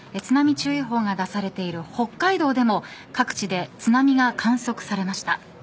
津波注意報が出されている北海道でも各地で津波が観測されました。